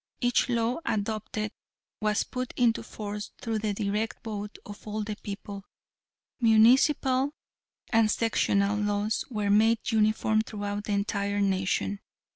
Each law adopted was put into force through the direct vote of all the people. Municipal and sectional laws were made uniform throughout the entire nation.